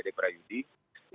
jadi saya berpikir